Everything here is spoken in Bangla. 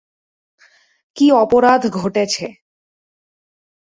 কী অপরাধ ঘটেছে।